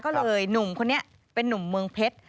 ก็เลยหนุ่มคนนี้เป็นนุ่มเมืองเพชร